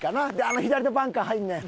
あの左のバンカー入んねん。